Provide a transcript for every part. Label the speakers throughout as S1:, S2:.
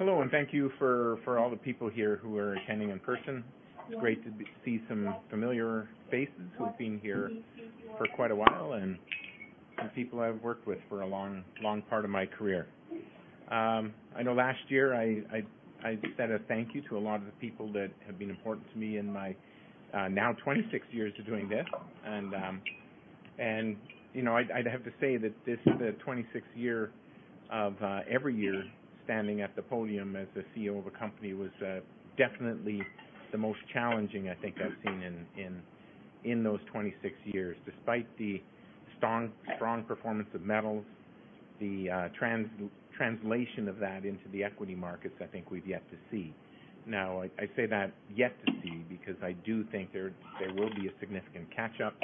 S1: Hello, and thank you for all the people here who are attending in person. It's great to see some familiar faces who have been here for quite a while and some people I've worked with for a long part of my career. I know last year I said a thank you to a lot of the people that have been important to me in my now 26 years of doing this, and I'd have to say that this 26 year of every year standing at the podium as the CEO of a company was definitely the most challenging I think I've seen in those 26 years, despite the strong performance of metals, the translation of that into the equity markets I think we've yet to see. Now, I say that, yet to see, because I do think there will be a significant catch-up,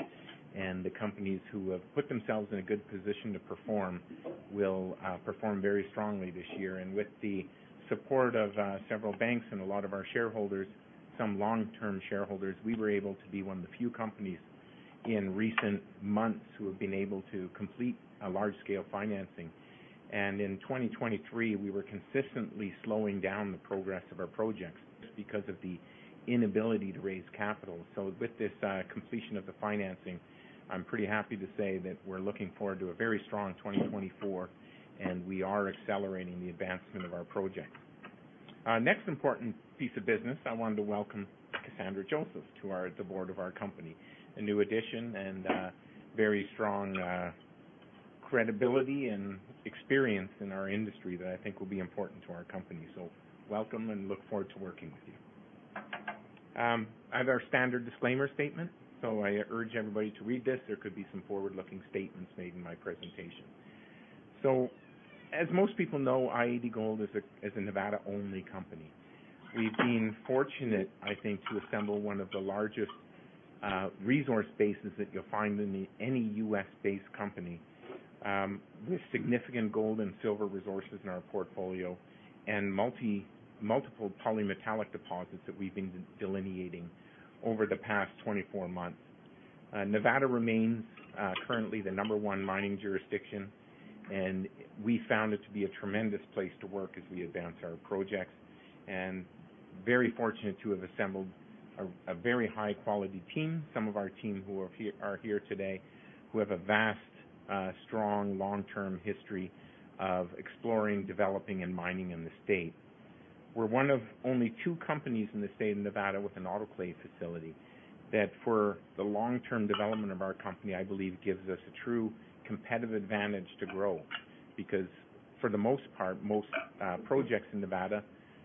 S1: and the companies who have put themselves in a good position to perform will perform very strongly this year. And with the support of several banks and a lot of our shareholders, some long-term shareholders, we were able to be one of the few companies in recent months who have been able to complete large-scale financing. And in 2023, we were consistently slowing down the progress of our projects because of the inability to raise capital. So with this completion of the financing, I'm pretty happy to say that we're looking forward to a very strong 2024, and we are accelerating the advancement of our projects. Next important piece of business, I wanted to welcome Cassandra Joseph to the board of our company, a new addition and very strong credibility and experience in our industry that I think will be important to our company. So welcome and look forward to working with you. I have our standard disclaimer statement, so I urge everybody to read this. There could be some forward-looking statements made in my presentation. So as most people know, i-80 Gold is a Nevada-only company. We've been fortunate, I think, to assemble one of the largest resource bases that you'll find in any U.S.-based company, with significant gold and silver resources in our portfolio and multiple polymetallic deposits that we've been delineating over the past 24 months. Nevada remains currently the number one mining jurisdiction, and we found it to be a tremendous place to work as we advance our projects. Very fortunate to have assembled a very high-quality team, some of our team who are here today, who have a vast, strong, long-term history of exploring, developing, and mining in the state. We're one of only two companies in the state of Nevada with an autoclave facility that, for the long-term development of our company, I believe gives us a true competitive advantage to grow. Because for the most part, most projects in Nevada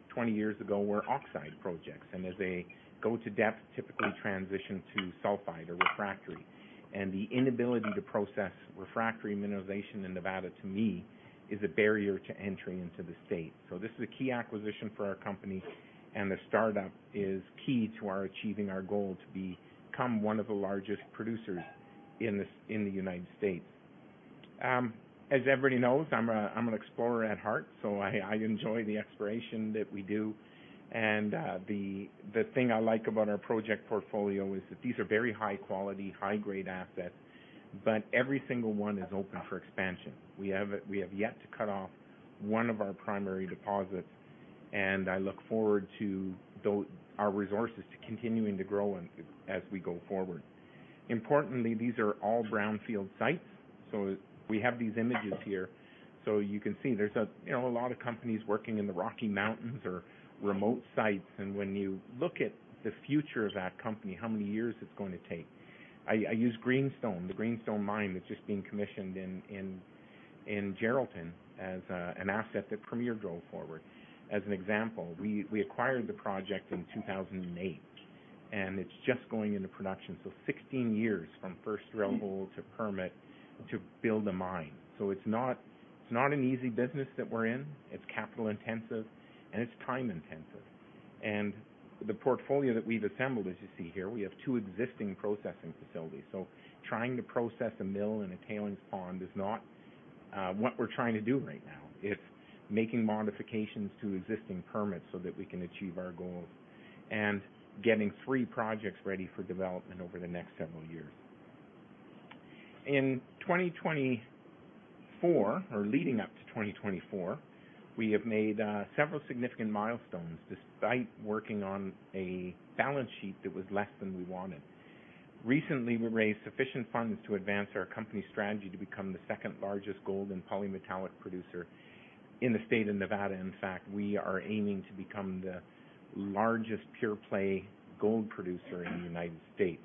S1: 20 years ago were oxide projects, and as they go to depth, typically transition to sulfide or refractory. The inability to process refractory mineralization in Nevada, to me, is a barrier to entry into the state. This is a key acquisition for our company, and the startup is key to achieving our goal to become one of the largest producers in the United States. As everybody knows, I'm an explorer at heart, so I enjoy the exploration that we do. And the thing I like about our project portfolio is that these are very high-quality, high-grade assets, but every single one is open for expansion. We have yet to cut off one of our primary deposits, and I look forward to our resources continuing to grow as we go forward. Importantly, these are all brownfield sites, so we have these images here so you can see there's a lot of companies working in the Rocky Mountains or remote sites. And when you look at the future of that company, how many years it's going to take? I use Greenstone, the Greenstone mine that's just being commissioned in Geraldton as an asset that Premier drove forward. As an example, we acquired the project in 2008, and it's just going into production, so 16 years from first drill hole to permit to build a mine. So it's not an easy business that we're in. It's capital-intensive, and it's time-intensive. And the portfolio that we've assembled, as you see here, we have two existing processing facilities. So trying to process a mill in a tailings pond is not what we're trying to do right now. It's making modifications to existing permits so that we can achieve our goals and getting three projects ready for development over the next several years. In 2024 or leading up to 2024, we have made several significant milestones despite working on a balance sheet that was less than we wanted. Recently, we raised sufficient funds to advance our company's strategy to become the second-largest gold and polymetallic producer in the state of Nevada. In fact, we are aiming to become the largest pure-play gold producer in the United States.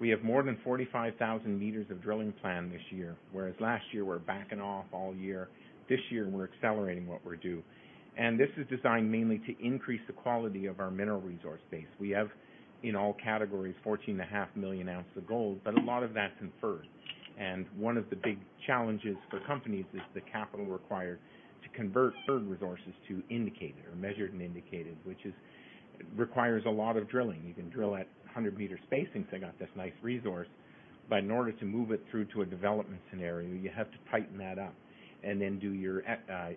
S1: We have more than 45,000 m of drilling plan this year, whereas last year we were backing off all year. This year we're accelerating what we do. This is designed mainly to increase the quality of our mineral resource base. We have, in all categories, 14.5 million ounces of gold, but a lot of that's in Inferred. One of the big challenges for companies is the capital required to convert Inferred resources to indicated or Measured and Iindicated, which requires a lot of drilling. You can drill at 100-meter spacings. They got this nice resource, but in order to move it through to a development scenario, you have to tighten that up and then do your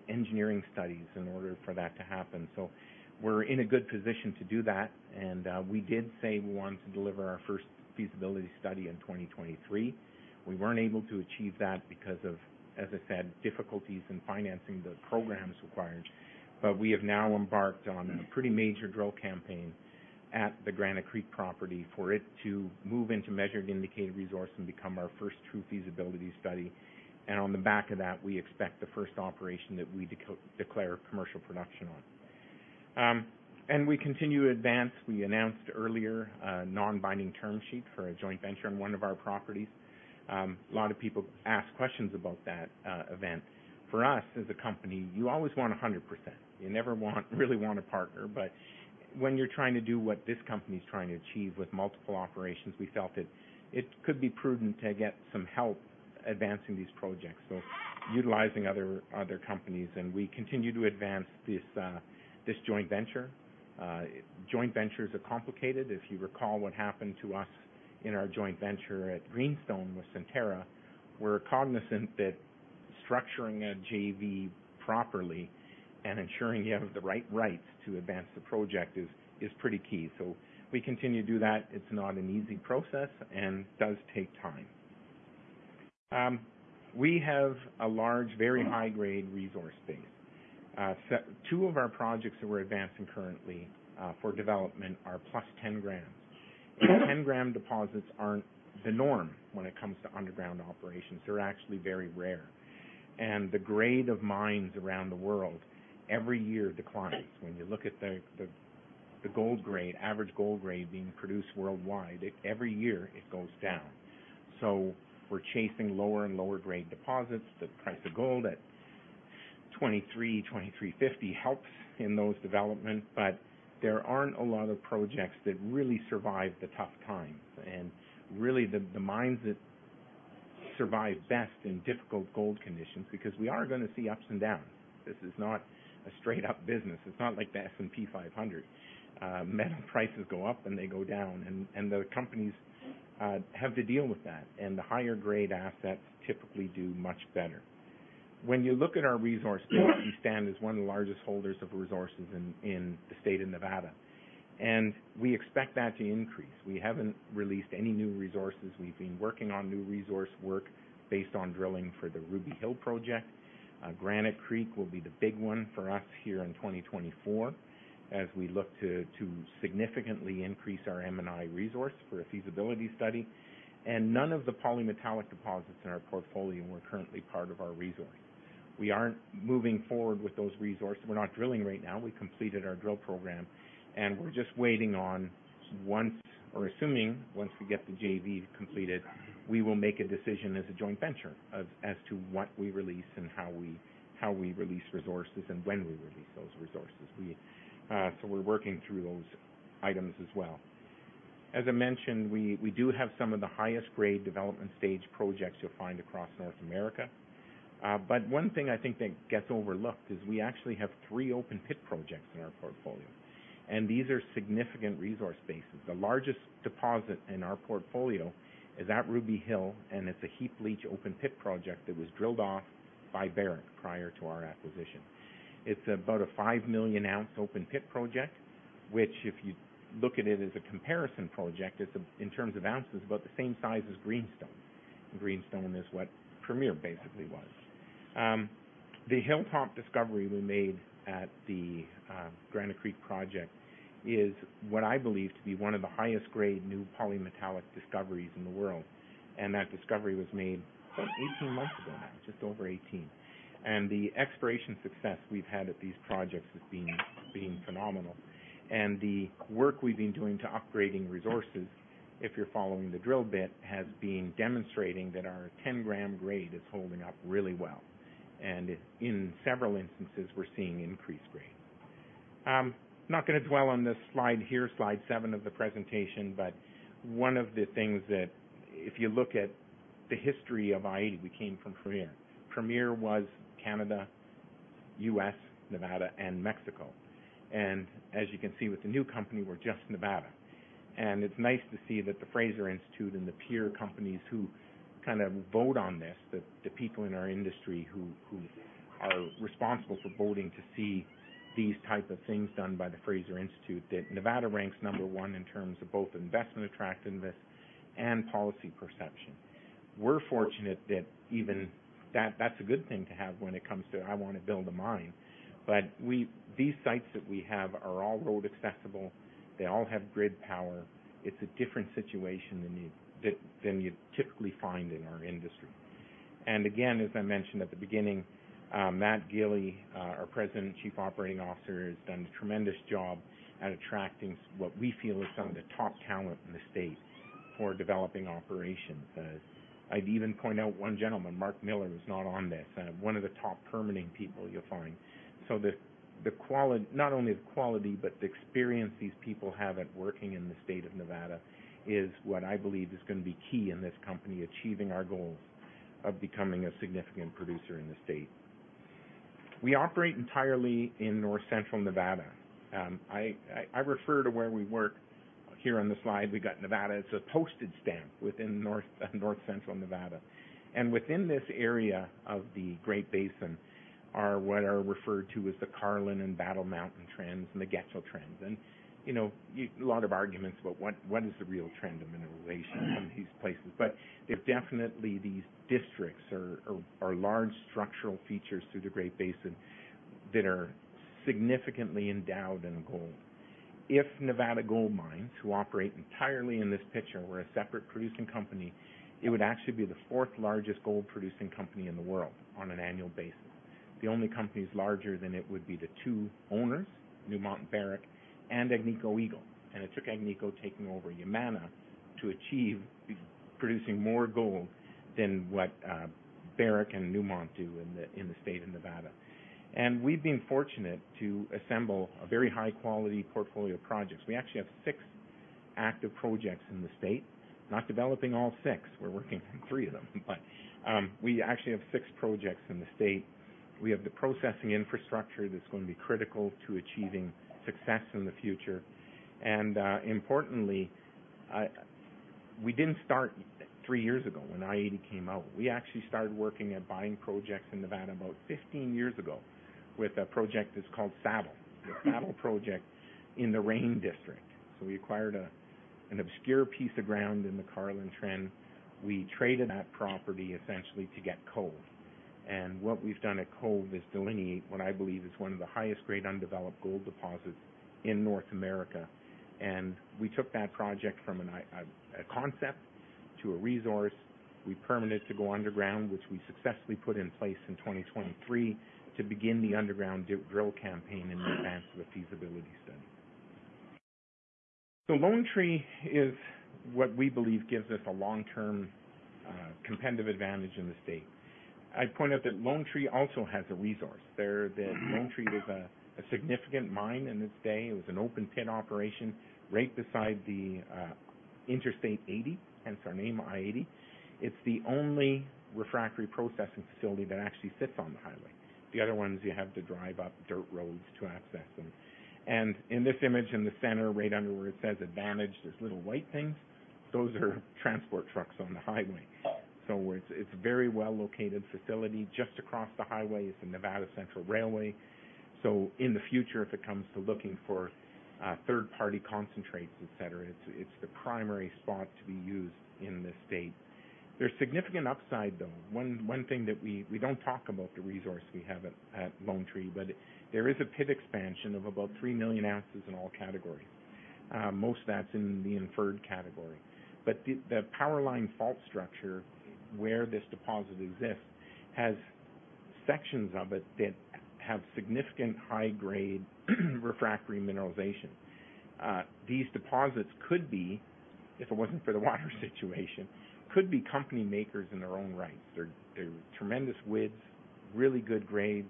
S1: engineering studies in order for that to happen. So we're in a good position to do that, and we did say we wanted to deliver our first feasibility study in 2023. We weren't able to achieve that because of, as I said, difficulties in financing the programs required. But we have now embarked on a pretty major drill campaign at the Granite Creek property for it to move into Measured and Indicated resource and become our first true feasibility study. And on the back of that, we expect the first operation that we declare commercial production on. And we continue to advance. We announced earlier a non-binding term sheet for a joint venture on one of our properties. A lot of people ask questions about that event. For us as a company, you always want 100%. You never really want a partner. But when you're trying to do what this company's trying to achieve with multiple operations, we felt that it could be prudent to get some help advancing these projects, so utilizing other companies. We continue to advance this joint venture. Joint ventures are complicated. If you recall what happened to us in our joint venture at Greenstone with Centerra, we're cognizant that structuring a JV properly and ensuring you have the right rights to advance the project is pretty key. We continue to do that. It's not an easy process and does take time. We have a large, very high-grade resource base. Two of our projects that we're advancing currently for development are +10 g. 10-gram deposits aren't the norm when it comes to underground operations. They're actually very rare. The grade of mines around the world every year declines. When you look at the average gold grade being produced worldwide, every year it goes down. So we're chasing lower and lower-grade deposits. The price of gold at $2,300, $2,350 helps in those developments, but there aren't a lot of projects that really survive the tough times. And really, the mines that survive best in difficult gold conditions because we are going to see ups and downs. This is not a straight-up business. It's not like the S&P 500. Metal prices go up and they go down, and the companies have to deal with that. And the higher-grade assets typically do much better. When you look at our resource base, we stand as one of the largest holders of resources in the state of Nevada, and we expect that to increase. We haven't released any new resources. We've been working on new resource work based on drilling for the Ruby Hill project. Granite Creek will be the big one for us here in 2024 as we look to significantly increase our M&I resource for a feasibility study. None of the polymetallic deposits in our portfolio were currently part of our resource. We aren't moving forward with those resources. We're not drilling right now. We completed our drill program, and we're just waiting on once or assuming once we get the JV completed, we will make a decision as a joint venture as to what we release and how we release resources and when we release those resources. We're working through those items as well. As I mentioned, we do have some of the highest-grade development stage projects you'll find across North America. But one thing I think that gets overlooked is we actually have three open-pit projects in our portfolio, and these are significant resource bases. The largest deposit in our portfolio is at Ruby Hill, and it's a heap leach open-pit project that was drilled off by Barrick prior to our acquisition. It's about a 5 million ounce open-pit project, which if you look at it as a comparison project, in terms of ounces, about the same size as Greenstone. Greenstone is what Premier basically was. The Hilltop discovery we made at the Granite Creek project is what I believe to be one of the highest-grade new polymetallic discoveries in the world. And that discovery was made 18 months ago now, just over 18. And the exploration success we've had at these projects has been phenomenal. And the work we've been doing to upgrading resources, if you're following the drill bit, has been demonstrating that our 10-gram grade is holding up really well. And in several instances, we're seeing increased grade. Not going to dwell on this slide here, Slide Seven of the presentation, but one of the things that if you look at the history of i-80, we came from Premier. Premier was Canada, U.S., Nevada, and Mexico. And as you can see with the new company, we're just Nevada. And it's nice to see that the Fraser Institute and the peer companies who kind of vote on this, the people in our industry who are responsible for voting to see these types of things done by the Fraser Institute, that Nevada ranks number one in terms of both investment attractiveness and policy perception. We're fortunate that even that's a good thing to have when it comes to, "I want to build a mine." But these sites that we have are all road accessible. They all have grid power. It's a different situation than you typically find in our industry. And again, as I mentioned at the beginning, Matt Gili, our President and Chief Operating Officer, has done a tremendous job at attracting what we feel is some of the top talent in the state for developing operations. I'd even point out one gentleman, Mark Miller, who's not on this, one of the top permitting people you'll find. So not only the quality, but the experience these people have at working in the state of Nevada is what I believe is going to be key in this company achieving our goals of becoming a significant producer in the state. We operate entirely in North Central Nevada. I refer to where we work here on the slide. We've got Nevada. It's a postage stamp within North Central Nevada. Within this area of the Great Basin are what are referred to as the Carlin and Battle Mountain trends and the Getchell trends. A lot of arguments about what is the real trend of mineralization in these places. But there's definitely these districts or large structural features through the Great Basin that are significantly endowed in gold. If Nevada Gold Mines, who operate entirely in this picture, were a separate producing company, it would actually be the fourth-largest gold producing company in the world on an annual basis. The only companies larger than it would be the two owners, Newmont and Barrick, and Agnico Eagle. It took Agnico taking over Yamana to achieve producing more gold than what Barrick and Newmont do in the state of Nevada. We've been fortunate to assemble a very high-quality portfolio of projects. We actually have six active projects in the state. Not developing all six. We're working on three of them, but we actually have six projects in the state. We have the processing infrastructure that's going to be critical to achieving success in the future. Importantly, we didn't start three years ago when i-80 came out. We actually started working at buying projects in Nevada about 15 years ago with a project that's called Saddle, the Saddle project in the Rain District. We acquired an obscure piece of ground in the Carlin Trend. We traded that property, essentially, to get Cove. What we've done at Cove is delineate what I believe is one of the highest-grade undeveloped gold deposits in North America. We took that project from a concept to a resource. We permitted to go underground, which we successfully put in place in 2023 to begin the underground drill campaign in advance of a feasibility study. Lone Tree is what we believe gives us a long-term competitive advantage in the state. I'd point out that Lone Tree also has a resource. Lone Tree is a significant mine in its day. It was an open-pit operation right beside the Interstate 80, hence our name, i-80. It's the only refractory processing facility that actually sits on the highway. The other ones, you have to drive up dirt roads to access them. In this image in the center, right under where it says advantage, those little white things, those are transport trucks on the highway. So it's a very well-located facility. Just across the highway is the Nevada Central Railway. So in the future, if it comes to looking for third-party concentrates, etc., it's the primary spot to be used in this state. There's significant upside, though. One thing that we don't talk about, the resource we have at Lone Tree, but there is a pit expansion of about 3 million ounces in all categories. Most of that's in the Inferred category. But the Power Line Fault structure where this deposit exists has sections of it that have significant high-grade refractory mineralization. These deposits could be, if it wasn't for the water situation, could be company makers in their own rights. They're tremendous widths, really good grades.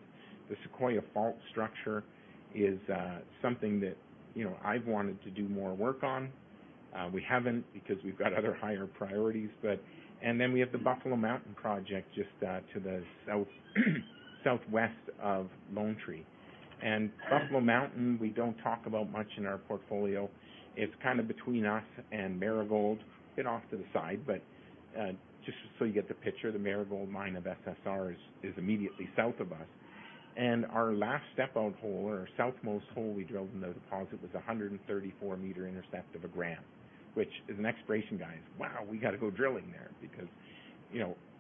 S1: The Sequoia Fault structure is something that I've wanted to do more work on. We haven't because we've got other higher priorities. And then we have the Buffalo Mountain project just to the southwest of Lone Tree. And Buffalo Mountain, we don't talk about much in our portfolio. It's kind of between us and Marigold, a bit off to the side. But just so you get the picture, the Marigold mine of SSR is immediately south of us. And our last step-out hole, or our southmost hole we drilled in the deposit, was 134-meter intercept of 1 g, which is an exploration guy. It's, "wow, we got to go drilling there," because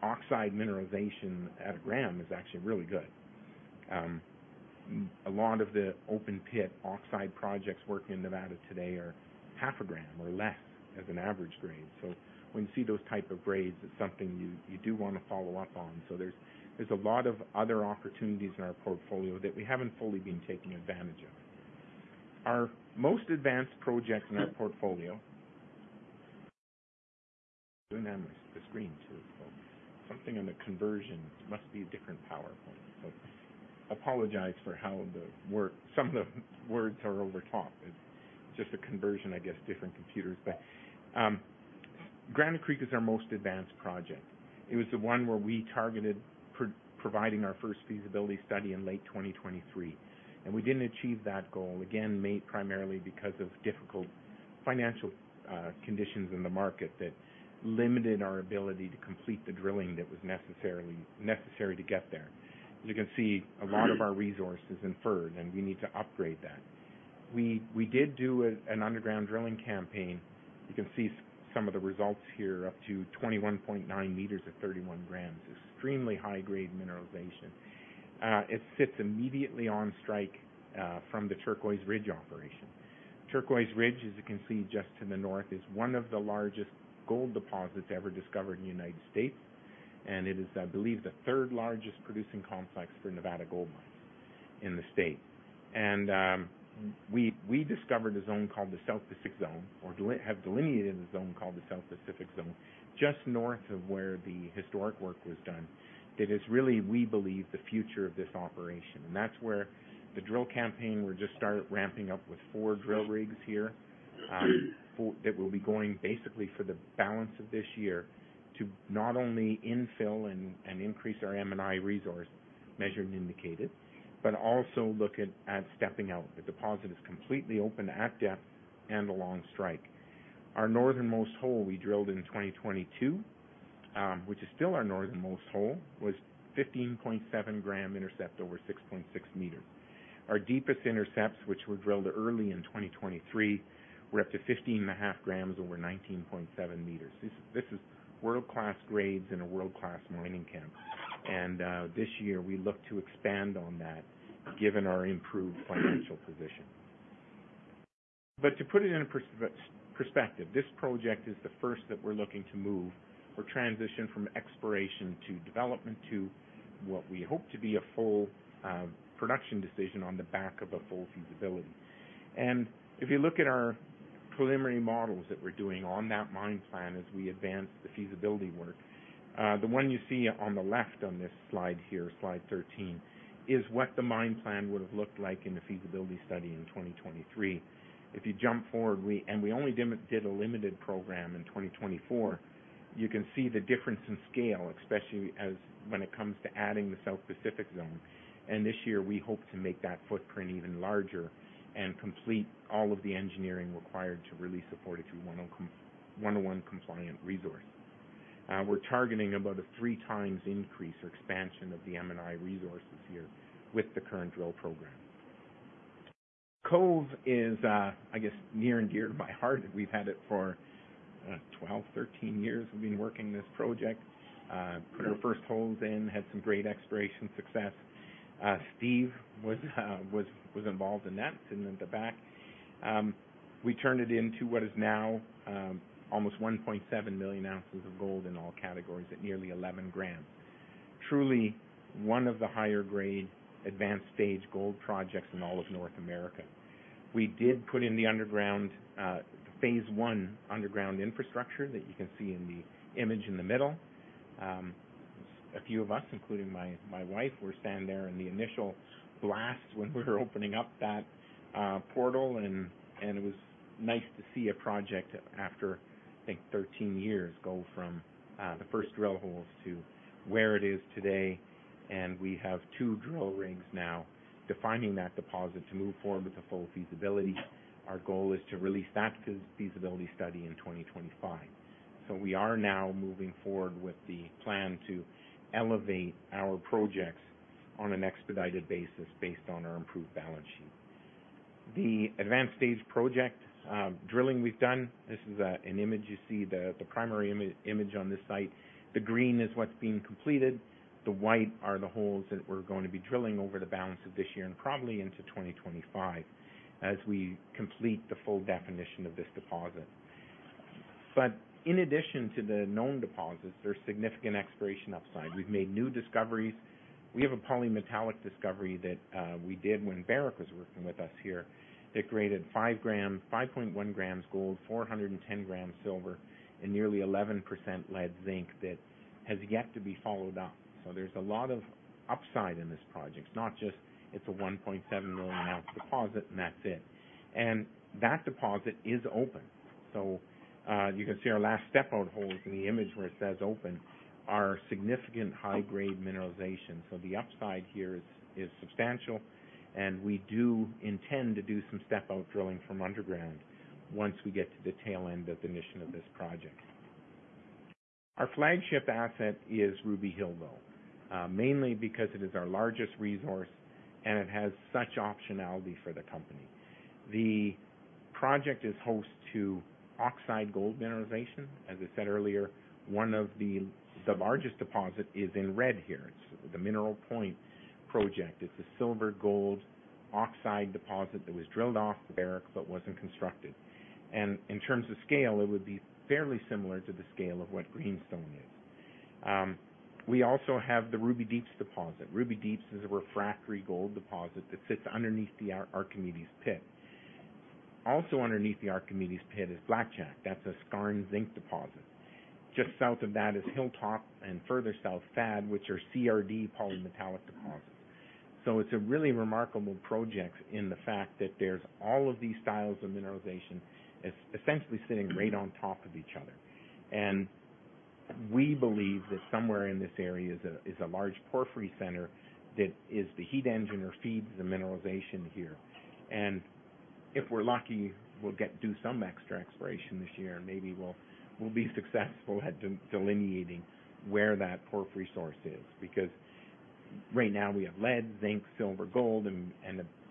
S1: oxide mineralization at 1 g is actually really good. A lot of the open-pit oxide projects working in Nevada today are 0.5 g or less as an average grade. So when you see those types of grades, it's something you do want to follow up on. So there's a lot of other opportunities in our portfolio that we haven't fully been taking advantage of. Our most advanced project in our portfolio. I'm doing that on the screen, too, folks. Something on the conversion. It must be a different PowerPoint. So apologize for how the work some of the words are overtopped. It's just a conversion, I guess, different computers. But Granite Creek is our most advanced project. It was the one where we targeted providing our first feasibility study in late 2023. And we didn't achieve that goal, again, primarily because of difficult financial conditions in the market that limited our ability to complete the drilling that was necessary to get there. As you can see, a lot of our resource is Inferred, and we need to upgrade that. We did do an underground drilling campaign. You can see some of the results here, up to 21.9 m of 31 g, extremely high-grade mineralization. It sits immediately on strike from the Turquoise Ridge operation. Turquoise Ridge, as you can see just to the north, is one of the largest gold deposits ever discovered in the United States. It is, I believe, the third-largest producing complex for Nevada Gold Mines in the state. And we discovered a zone called the South Pacific Zone or have delineated a zone called the South Pacific Zone just north of where the historic work was done that is really, we believe, the future of this operation. That's where the drill campaign we're just ramping up with four drill rigs here that will be going basically for the balance of this year to not only infill and increase our M&I resource, Measured and Indicated, but also look at stepping out. The deposit is completely open at depth and along strike. Our northernmost hole we drilled in 2022, which is still our northernmost hole, was 15.7 g intercept over 6.6 m. Our deepest intercepts, which were drilled early in 2023, were up to 15.5 g over 19.7 m. This is world-class grades in a world-class mining camp. This year, we look to expand on that given our improved financial position. But to put it in perspective, this project is the first that we're looking to move or transition from exploration to development to what we hope to be a full production decision on the back of a full feasibility. If you look at our preliminary models that we're doing on that mine plan as we advance the feasibility work, the one you see on the left on this slide here, Slide 13, is what the mine plan would have looked like in the feasibility study in 2023. If you jump forward and we only did a limited program in 2024, you can see the difference in scale, especially when it comes to adding the South Pacific Zone. This year, we hope to make that footprint even larger and complete all of the engineering required to release a 43-101-compliant resource. We're targeting about a 3x increase or expansion of the M&I resources here with the current drill program. Cove is, I guess, near and dear to my heart. We've had it for 12, 13 years. We've been working this project, put our first holes in, had some great exploration success. Steve was involved in that in the back. We turned it into what is now almost 1.7 million ounces of gold in all categories at nearly 11 g. Truly, one of the higher-grade, advanced-stage gold projects in all of North America. We did put in the underground phase one underground infrastructure that you can see in the image in the middle. A few of us, including my wife, were standing there in the initial blast when we were opening up that portal. It was nice to see a project after, I think, 13 years go from the first drill holes to where it is today. We have two drill rigs now defining that deposit to move forward with the full feasibility. Our goal is to release that feasibility study in 2025. We are now moving forward with the plan to elevate our projects on an expedited basis based on our improved balance sheet. The advanced-stage project drilling we've done. This is an image you see, the primary image on this site. The green is what's being completed. The white are the holes that we're going to be drilling over the balance of this year and probably into 2025 as we complete the full definition of this deposit. In addition to the known deposits, there's significant exploration upside. We've made new discoveries. We have a polymetallic discovery that we did when Barrick was working with us here that graded 5.1 g gold, 410 g silver, and nearly 11% lead zinc that has yet to be followed up. So there's a lot of upside in this project. It's not just it's a 1.7 million ounce deposit, and that's it. And that deposit is open. So you can see our last step-out holes in the image where it says open are significant high-grade mineralization. So the upside here is substantial. And we do intend to do some step-out drilling from underground once we get to the tail end of the mission of this project. Our flagship asset is Ruby Hill, though, mainly because it is our largest resource and it has such optionality for the company. The project is host to oxide gold mineralization. As I said earlier, one of the largest deposits is in red here. It's the Mineral Point project. It's a silver-gold oxide deposit that was drilled off by Barrick but wasn't constructed. In terms of scale, it would be fairly similar to the scale of what Greenstone is. We also have the Ruby Deeps deposit. Ruby Deeps is a refractory gold deposit that sits underneath the Archimedes Pit. Also underneath the Archimedes Pit is Blackjack. That's a skarn zinc deposit. Just south of that is Hilltop and further south, FAD, which are CRD polymetallic deposits. So it's a really remarkable project in the fact that there's all of these styles of mineralization essentially sitting right on top of each other. And we believe that somewhere in this area is a large porphyry center that is the heat engine or feeds the mineralization here. And if we're lucky, we'll do some extra exploration this year, and maybe we'll be successful at delineating where that porphyry source is because right now, we have lead, zinc, silver, gold, and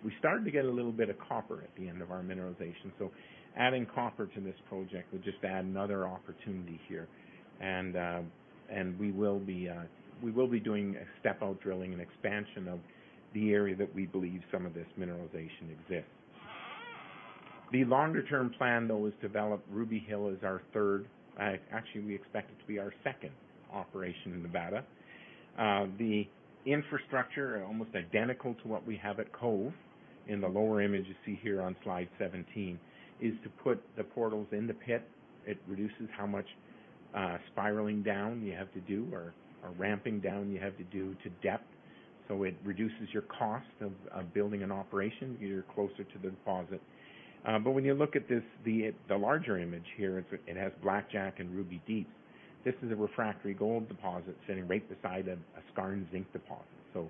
S1: we started to get a little bit of copper at the end of our mineralization. So adding copper to this project would just add another opportunity here. And we will be doing a step-out drilling and expansion of the area that we believe some of this mineralization exists. The longer-term plan, though, is to develop Ruby Hill as our third actually, we expect it to be our second operation in Nevada. The infrastructure, almost identical to what we have at Cove in the lower image you see here on Slide 17, is to put the portals in the pit. It reduces how much spiraling down you have to do or ramping down you have to do to depth. So it reduces your cost of building an operation. You're closer to the deposit. But when you look at the larger image here, it has Blackjack and Ruby Deeps. This is a refractory gold deposit sitting right beside a skarn zinc deposit. So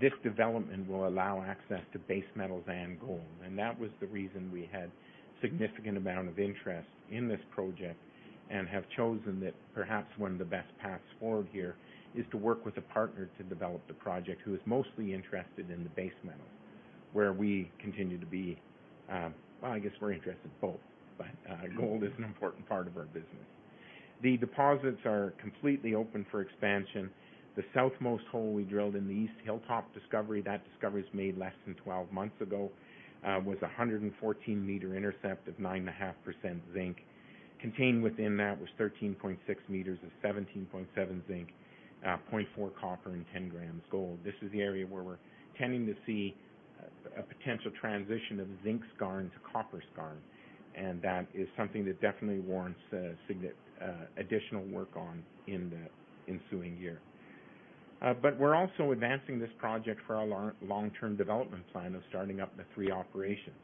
S1: this development will allow access to base metals and gold. And that was the reason we had a significant amount of interest in this project and have chosen that perhaps one of the best paths forward here is to work with a partner to develop the project who is mostly interested in the base metals, where we continue to be well, I guess we're interested in both, but gold is an important part of our business. The deposits are completely open for expansion. The southmost hole we drilled in the East Hilltop discovery, that discovery was made less than 12 months ago, was a 114-meter intercept of 9.5% zinc. Contained within that was 13.6 m of 17.7% zinc, 0.4% copper, and 10 g gold. This is the area where we're tending to see a potential transition of zinc skarn to copper skarn. That is something that definitely warrants additional work on in the ensuing year. We're also advancing this project for our long-term development plan of starting up the three operations.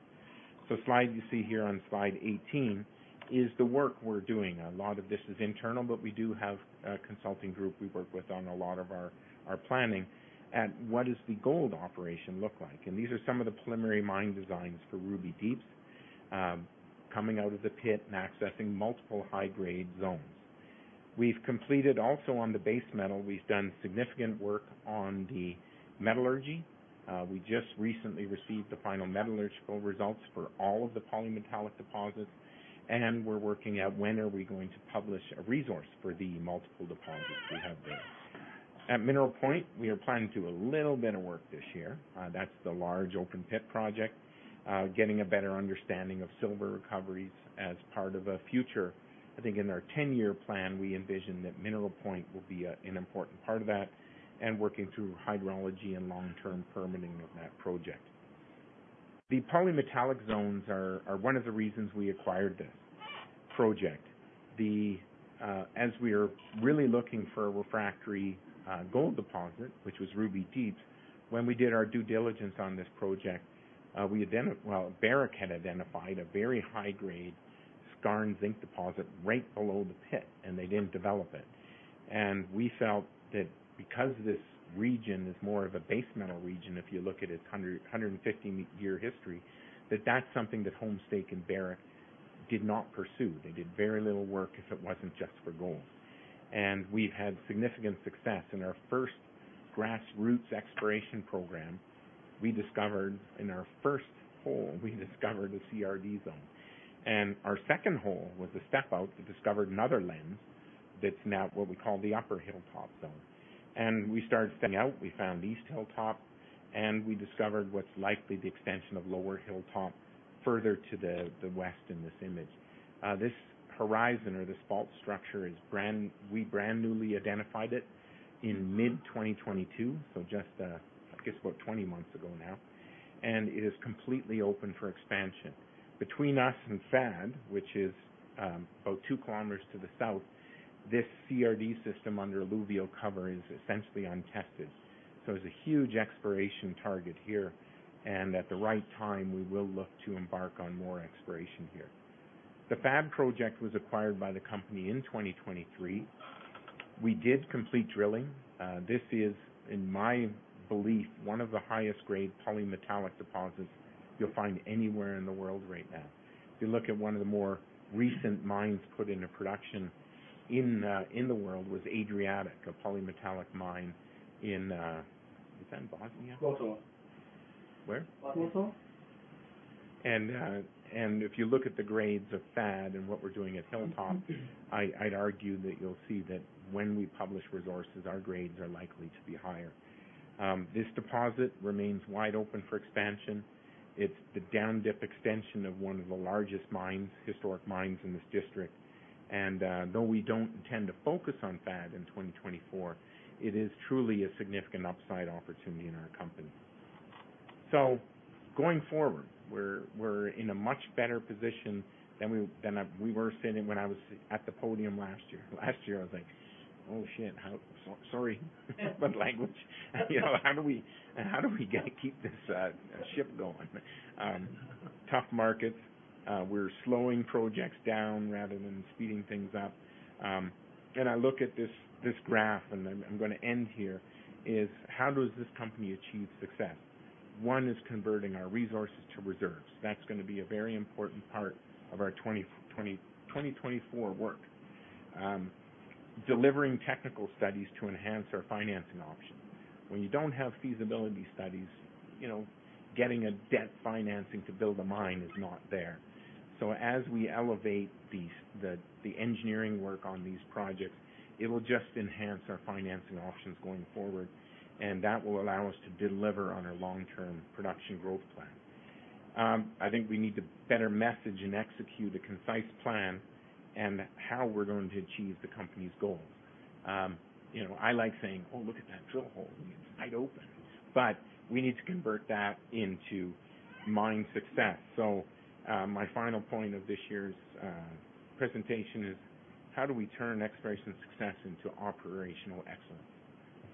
S1: The slide you see here on Slide 18 is the work we're doing. A lot of this is internal, but we do have a consulting group we work with on a lot of our planning at what does the gold operation look like. These are some of the preliminary mine designs for Ruby Deeps coming out of the pit and accessing multiple high-grade zones. Also on the base metal, we've done significant work on the metallurgy. We just recently received the final metallurgical results for all of the polymetallic deposits. We're working at when are we going to publish a resource for the multiple deposits we have there. At Mineral Point, we are planning to do a little bit of work this year. That's the large open-pit project, getting a better understanding of silver recoveries as part of a future I think in our 10-year plan, we envision that Mineral Point will be an important part of that and working through hydrology and long-term permitting of that project. The polymetallic zones are one of the reasons we acquired this project. As we were really looking for a refractory gold deposit, which was Ruby Deeps, when we did our due diligence on this project, Barrick had identified a very high-grade skarn zinc deposit right below the pit, and they didn't develop it. We felt that because this region is more of a base metal region, if you look at its 150-year history, that that's something that Homestake and Barrick did not pursue. They did very little work if it wasn't just for gold. We've had significant success. In our first grassroots exploration program, we discovered in our first hole, we discovered a CRD zone. Our second hole was a step-out. We discovered another lens that's now what we call the Upper Hilltop Zone. We started stepping out. We found East Hilltop, and we discovered what's likely the extension of Lower Hilltop further to the west in this image. This horizon or this fault structure, we brand-newly identified it in mid-2022, so just, I guess, about 20 months ago now. It is completely open for expansion. Between us and FAD, which is about 2 km to the south, this CRD system under alluvial cover is essentially untested. So it's a huge exploration target here. At the right time, we will look to embark on more exploration here. The FAD project was acquired by the company in 2023. We did complete drilling. This is, in my belief, one of the highest-grade polymetallic deposits you'll find anywhere in the world right now. If you look at one of the more recent mines put into production in the world was Adriatic, a polymetallic mine in, is that in Bosnia?
S2: Pluto.
S1: Where?
S2: Pluto.
S1: And if you look at the grades of FAD and what we're doing at Hilltop, I'd argue that you'll see that when we publish resources, our grades are likely to be higher. This deposit remains wide open for expansion. It's the down dip extension of one of the largest historic mines in this district. And though we don't intend to focus on FAD in 2024, it is truly a significant upside opportunity in our company. So going forward, we're in a much better position than we were sitting when I was at the podium last year. Last year, I was like, "oh, shit. Sorry." But language, how do we keep this ship going? Tough markets. We're slowing projects down rather than speeding things up. And I look at this graph, and I'm going to end here, is how does this company achieve success? One is converting our resources to reserves. That's going to be a very important part of our 2024 work, delivering technical studies to enhance our financing options. When you don't have feasibility studies, getting a debt financing to build a mine is not there. So as we elevate the engineering work on these projects, it will just enhance our financing options going forward. And that will allow us to deliver on our long-term production growth plan. I think we need to better message and execute a concise plan and how we're going to achieve the company's goals. I like saying, "oh, look at that drill hole. It's wide open." But we need to convert that into mine success. So my final point of this year's presentation is how do we turn exploration success into operational excellence?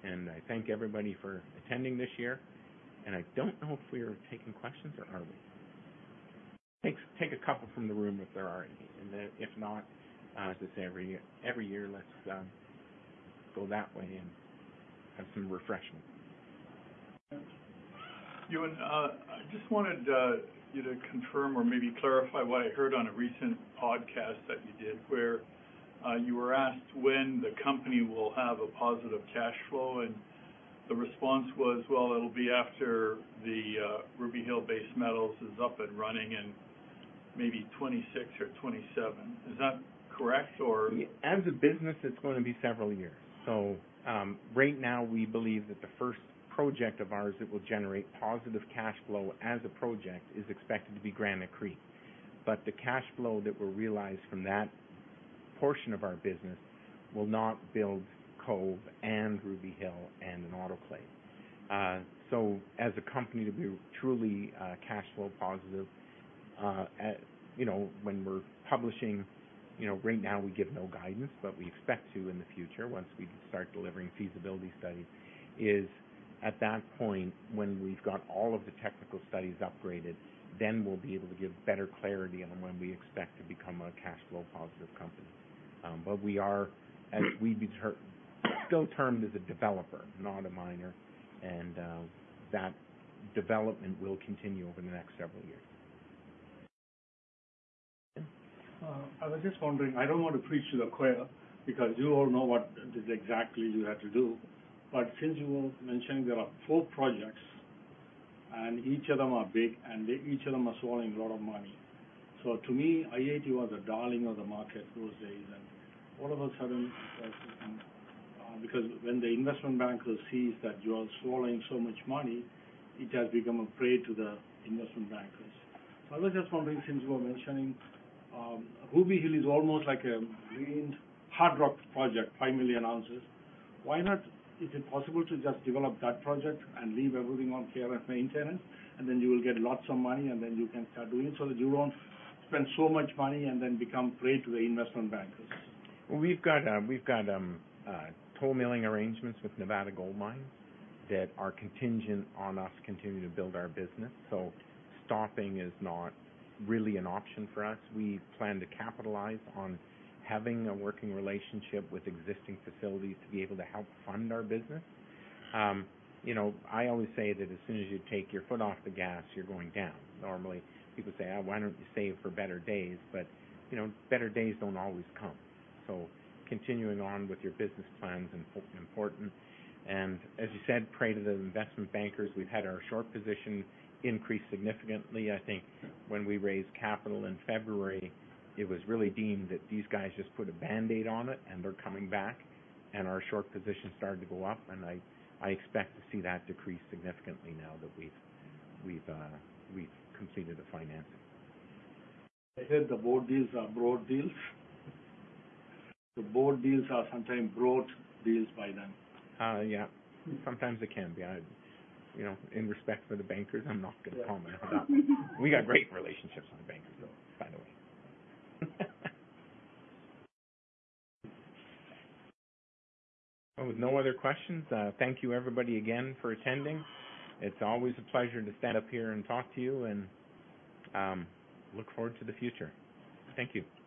S1: And I thank everybody for attending this year. And I don't know if we are taking questions, or are we? Take a couple from the room if there are any. And if not, as I say, every year, let's go that way and have some refreshment.
S3: Ewan, I just wanted you to confirm or maybe clarify what I heard on a recent podcast that you did where you were asked when the company will have a positive cash flow. And the response was, "Well, it'll be after the Ruby Hill Base Metals is up and running in maybe 2026 or 2027." Is that correct, or?
S1: As a business, it's going to be several years. So right now, we believe that the first project of ours that will generate positive cash flow as a project is expected to be Granite Creek. But the cash flow that will realize from that portion of our business will not build Cove and Ruby Hill and an autoclave. So as a company to be truly cash flow positive, when we're publishing right now, we give no guidance, but we expect to in the future once we start delivering feasibility studies is at that point when we've got all of the technical studies upgraded, then we'll be able to give better clarity on when we expect to become a cash flow positive company. But we are still termed as a developer, not a miner. And that development will continue over the next several years.
S3: I was just wondering. I don't want to preach to the choir because you all know exactly what you had to do. But since you were mentioning there are four projects, and each of them are big, and each of them are swallowing a lot of money. So to me, i-80 was a darling of the market those days. And all of a sudden, because when the investment bankers see that you are swallowing so much money, it has become a prey to the investment bankers. I was just wondering, since you were mentioning Ruby Hill is almost like a lean, hard rock project, five million ounces, is it possible to just develop that project and leave everything on care and maintenance, and then you will get lots of money, and then you can start doing it so that you don't spend so much money and then become prey to the investment bankers?
S1: Well, we've got toll milling arrangements with Nevada Gold Mines that are contingent on us continuing to build our business. So stopping is not really an option for us. We plan to capitalize on having a working relationship with existing facilities to be able to help fund our business. I always say that as soon as you take your foot off the gas, you're going down. Normally, people say, "why don't you save for better days?" But better days don't always come. So continuing on with your business plans is important. And as you said, prey to the investment bankers, we've had our short position increase significantly. I think when we raised capital in February, it was really deemed that these guys just put a Band-Aid on it, and they're coming back. And our short position started to go up. I expect to see that decrease significantly now that we've completed the financing.
S3: I said the board deals are broad deals. The board deals are sometimes broad deals by then.
S1: Yeah. Sometimes it can be. In respect for the bankers, I'm not going to comment on that. We got great relationships with the bankers, though, by the way. Well, with no other questions, thank you, everybody, again for attending. It's always a pleasure to stand up here and talk to you and look forward to the future. Thank you.